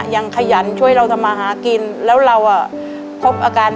ขยันช่วยเราทำมาหากินแล้วเราอ่ะพบอาการ